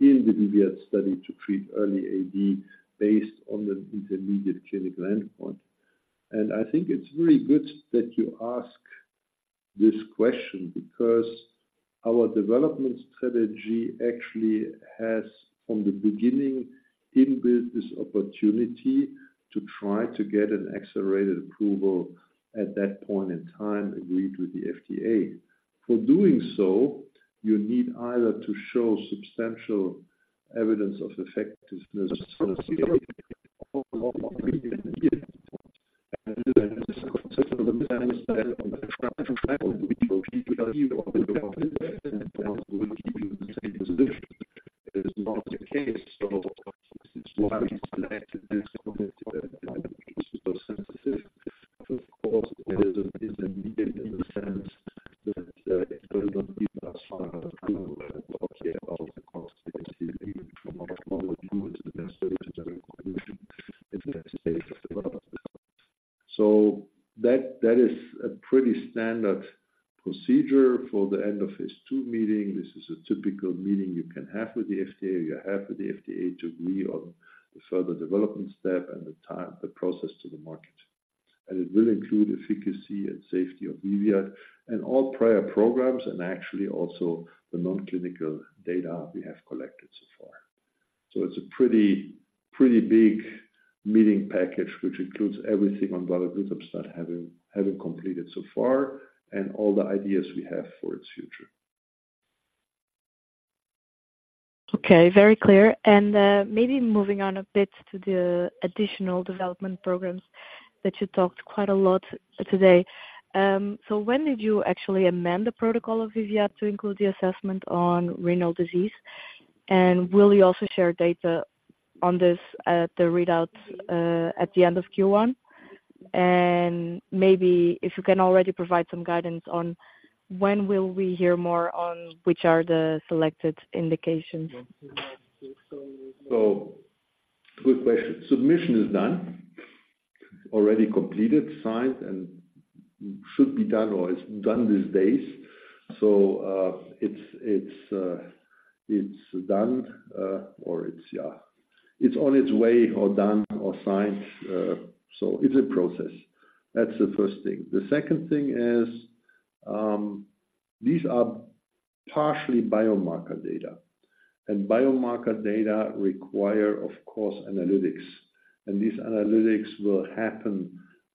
in the VIVIAD study to treat early AD, based on the intermediate clinical endpoint. And I think it's really good that you ask this question, because our development strategy actually has, from the beginning, inbuilt this opportunity to try to get an accelerated approval at that point in time, agreed with the FDA. For doing so, you need either to show substantial evidence of effectiveness. So that is a pretty standard procedure for the end of phase II meeting. This is a typical meeting you can have with the FDA, you have with the FDA to agree on the further development step and the time, the process to the market. And it will include efficacy and safety of VIVIAD and all prior programs, and actually also the non-clinical data we have collected so far. So it's a pretty, pretty big meeting package, which includes everything on varoglutamstat having completed so far and all the ideas we have for its future.
Okay, very clear. And maybe moving on a bit to the additional development programs that you talked quite a lot today. So when did you actually amend the protocol of VIVIAD to include the assessment on renal disease? And will you also share data on this at the readouts at the end of Q1? And maybe if you can already provide some guidance on when will we hear more on which are the selected indications?
So, good question. Submission is done, already completed, signed, and should be done or is done these days. So, it's done, or it's, yeah, it's on its way or done or signed. So it's a process. That's the first thing. The second thing is, these are partially biomarker data, and biomarker data require, of course, analytics. And these analytics will happen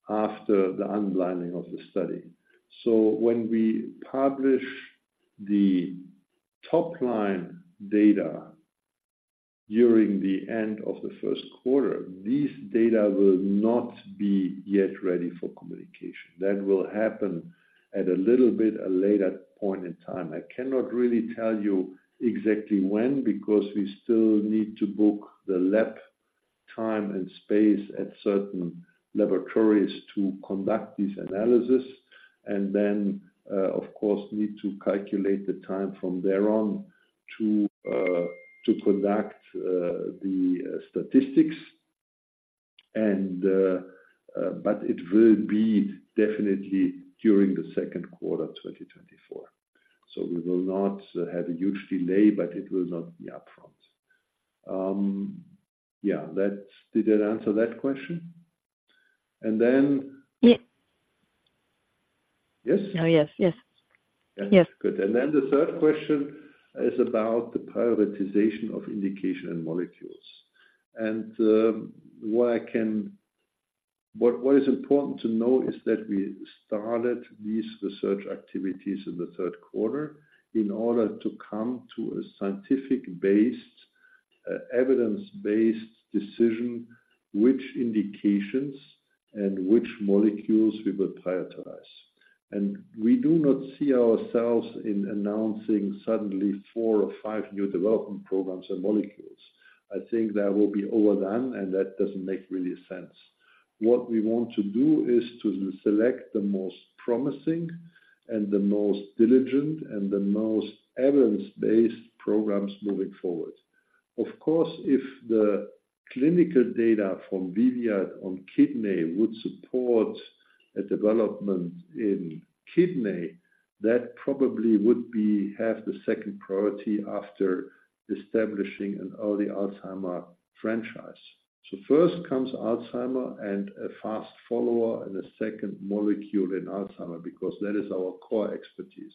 after the unblinding of the study. So when we publish the top-line data during the end of the first quarter, these data will not be yet ready for communication. That will happen at a little bit later point in time. I cannot really tell you exactly when, because we still need to book the lab-... time and space at certain laboratories to conduct this analysis, and then, of course, need to calculate the time from there on to conduct the statistics. But it will be definitely during the second quarter, 2024. So we will not have a huge delay, but it will not be upfront. Yeah, that's— Did that answer that question? And then-
Yeah.
Yes?
Oh, yes. Yes.
Yeah.
Yes.
Good. And then the third question is about the prioritization of indication and molecules. And what is important to know is that we started these research activities in the third quarter in order to come to a scientific-based, evidence-based decision, which indications and which molecules we will prioritize. And we do not see ourselves in announcing suddenly four or five new development programs and molecules. I think that will be overdone, and that doesn't make really sense. What we want to do is to select the most promising, and the most diligent, and the most evidence-based programs moving forward. Of course, if the clinical data from VIVIAD on kidney would support a development in kidney, that probably would be, have the second priority after establishing an early Alzheimer franchise. So first comes Alzheimer and a fast follower, and a second molecule in Alzheimer, because that is our core expertise.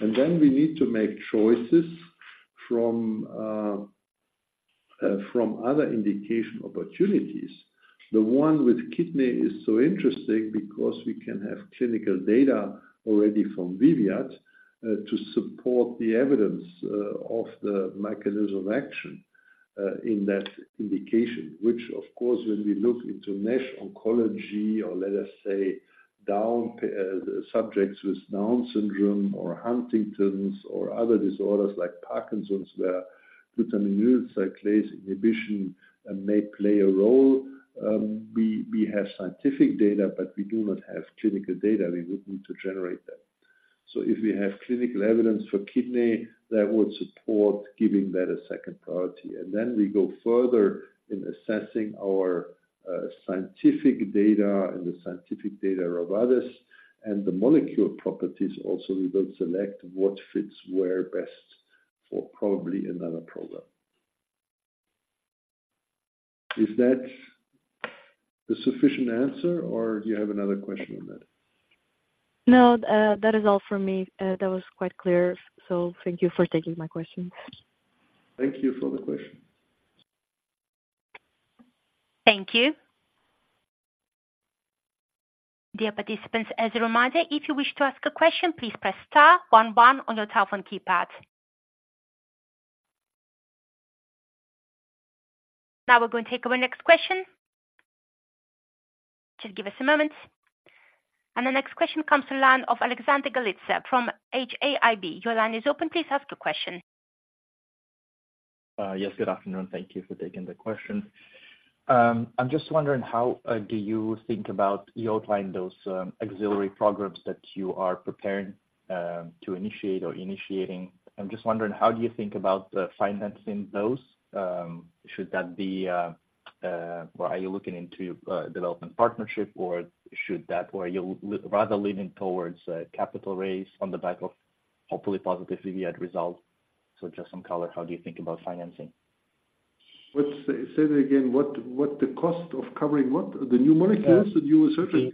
And then we need to make choices from, from other indication opportunities. The one with kidney is so interesting because we can have clinical data already from VIVIAD, to support the evidence, of the mechanism action, in that indication. Which, of course, when we look into NASH oncology or let us say, down, subjects with Down syndrome or Huntington's, or other disorders like Parkinson's, where glutaminyl cyclase inhibition may play a role. We, we have scientific data, but we do not have clinical data. We would need to generate that. If we have clinical evidence for kidney, that would support giving that a second priority, and then we go further in assessing our scientific data and the scientific data of others, and the molecule properties also, we will select what fits where best for probably another program. Is that the sufficient answer, or do you have another question on that?
No, that is all for me. That was quite clear. So thank you for taking my questions.
Thank you for the question.
Thank you. Dear participants, as a reminder, if you wish to ask a question, please press star one one on your telephone keypad. Now we're going to take our next question. Just give us a moment. The next question comes to the line of Alexander Galitsa from HAIB. Your line is open. Please ask your question.
Yes, good afternoon. Thank you for taking the question. I'm just wondering, how do you think about you outline those auxiliary programs that you are preparing to initiate or initiating? I'm just wondering, how do you think about financing those? Should that be or are you looking into development partnership, or should that or you'll rather leaning towards a capital raise on the back of hopefully positive VIVIAD results? So just some color, how do you think about financing?
Say that again, what, what the cost of covering what? The new molecules, the new research?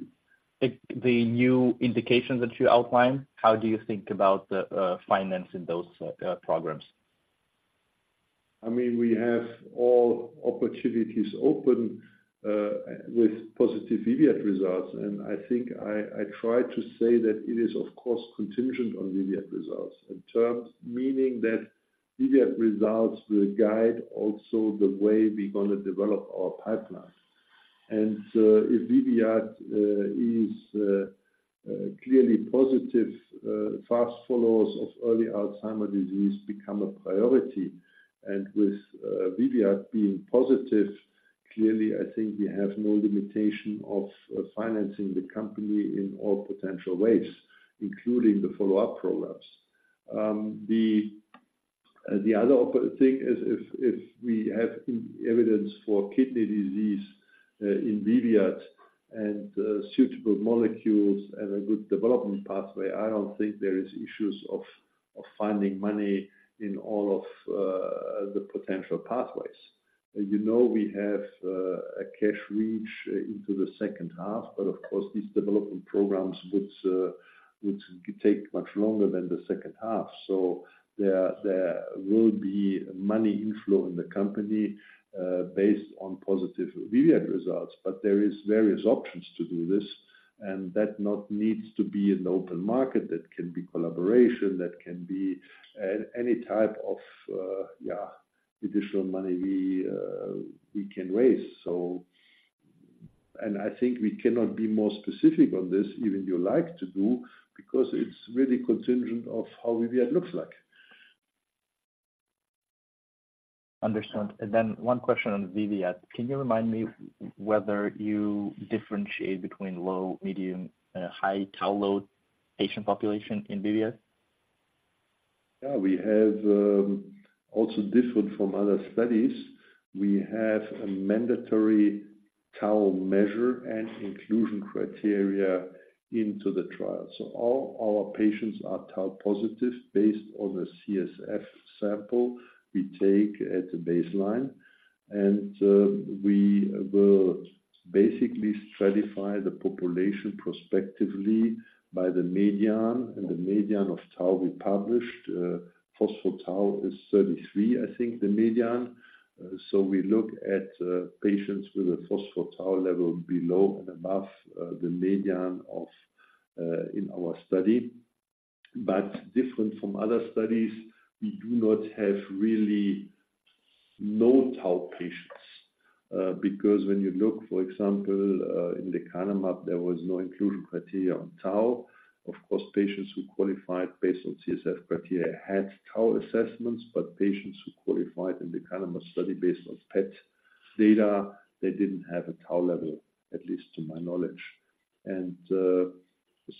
The new indications that you outlined, how do you think about the financing those programs?
I mean, we have all opportunities open with positive VIVIAD results, and I think I tried to say that it is of course contingent on VIVIAD results. In terms, meaning that VIVIAD results will guide also the way we're gonna develop our pipeline. And if VIVIAD is clearly positive, fast followers of early Alzheimer's disease become a priority. And with VIVIAD being positive, clearly, I think we have no limitation of financing the company in all potential ways, including the follow-up programs. The other thing is if we have evidence for kidney disease in VIVIAD and suitable molecules and a good development pathway, I don't think there is issues of finding money in all of the potential pathways. You know, we have a cash reach into the second half, but of course, these development programs would take much longer than the second half. So there will be money inflow in the company based on positive VIVIAD results, but there are various options to do this, and that does not need to be in the open market. That can be collaboration, that can be any type of additional money we can raise. So... And I think we cannot be more specific on this, even you like to do, because it's really contingent on how VIVIAD looks like.
Understood. Then one question on VIVIAD. Can you remind me whether you differentiate between low, medium, and high tau load patient population in VIVIAD?
Yeah, we have also different from other studies, we have a mandatory tau measure and inclusion criteria into the trial. So all our patients are tau positive based on the CSF sample we take at the baseline. And we will basically stratify the population prospectively by the median, and the median of tau we published. Phospho-tau is 33, I think, the median. So we look at patients with a phospho-tau level below and above the median of in our study. But different from other studies, we do not have really no tau patients because when you look, for example, in lecanemab, there was no inclusion criteria on tau. Of course, patients who qualified based on CSF criteria had tau assessments, but patients who qualified in the lecanemab study based on PET data, they didn't have a tau level, at least to my knowledge. And,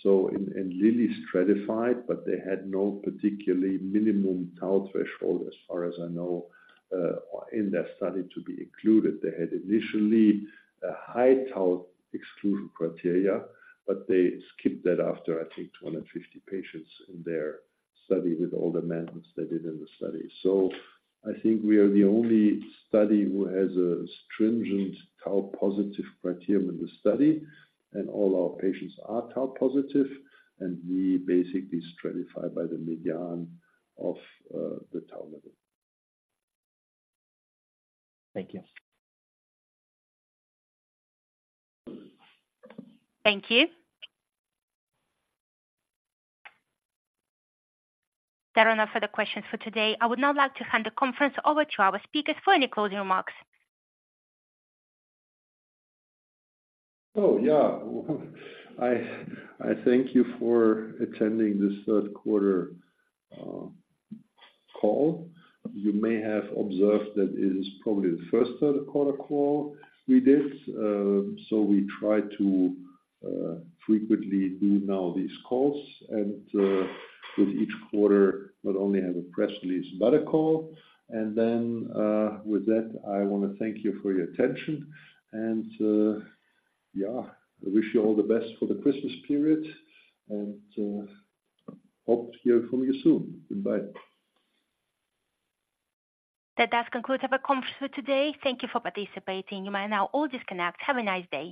so, Lilly stratified, but they had no particularly minimum tau threshold, as far as I know, in that study to be included. They had initially a high tau exclusion criteria, but they skipped that after, I think, 250 patients in their study with all the amendments they did in the study. So I think we are the only study who has a stringent tau positive criterion in the study, and all our patients are tau positive, and we basically stratify by the median of the tau level.
Thank you.
Thank you. That are all further questions for today. I would now like to hand the conference over to our speakers for any closing remarks.
Oh, yeah. I, I thank you for attending this third quarter call. You may have observed that it is probably the first third quarter call we did. So we try to frequently do now these calls and with each quarter, not only have a press release, but a call. And then, with that, I want to thank you for your attention and yeah, I wish you all the best for the Christmas period, and hope to hear from you soon. Goodbye.
That does conclude our conference for today. Thank you for participating. You may now all disconnect. Have a nice day.